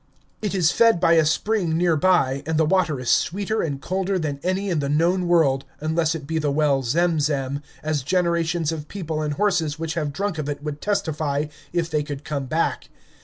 It is fed by a spring near by, and the water is sweeter and colder than any in the known world, unless it be the well Zem zem, as generations of people and horses which have drunk of it would testify, if they could come back.